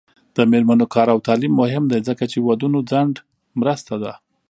د میرمنو کار او تعلیم مهم دی ځکه چې ودونو ځنډ مرسته ده